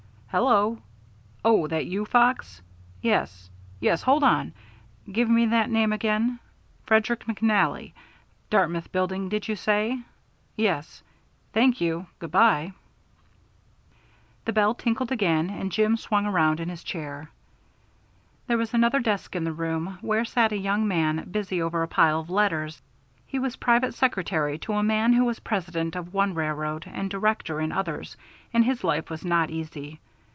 "Hello! Oh, that you, Fox? Yes Yes. Hold on! Give me that name again. Frederick McNally. Dartmouth Building, did you say? Yes. Thank you. Good by." The bell tinkled again and Jim swung round in his chair. There was another desk in the room, where sat a young man busy over a pile of letters. He was private secretary to a man who was president of one railroad and director in others, and his life was not easy.